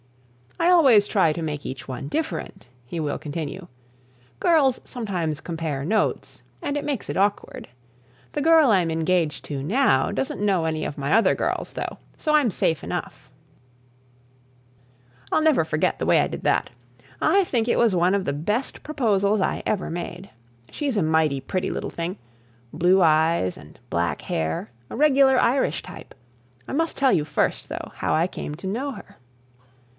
"I always try to make each one different," he will continue. "Girls sometimes compare notes and it makes it awkward. The girl I'm engaged to now doesn't know any of my other girls, though, so I'm safe enough. [Sidenote: "One of the Best Proposals"] "I'll never forget the way I did that. I think it was one of the best proposals I ever made. She's a mighty pretty little thing, blue eyes and black hair, a regular Irish type. I must tell you first, though, how I came to know her.